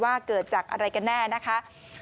เกิดจากอะไรกันแน่นะคะ